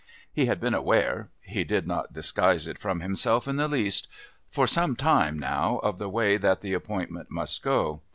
He had been aware he did not disguise it from himself in the least for some time now of the way that the appointment must go.